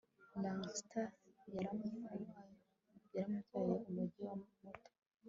Lancaster yaramubyaye umujyi muto